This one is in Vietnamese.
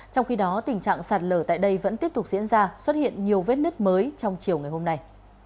trong khi đó tình trạng sạt lở tại đây vẫn tiếp tục diễn ra xuất hiện nhiều vết nứt mới trong chiều ngày hôm nay